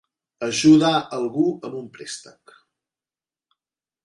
Ajudar algú amb un préstec.